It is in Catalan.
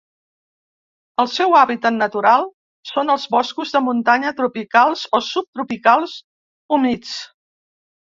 El seu hàbitat natural són els boscos de muntanya tropicals o subtropicals humits.